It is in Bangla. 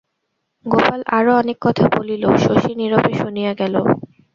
গোপাল আরও অনেক কথা বলিল, শশী নীরবে শুনিয়া গেল।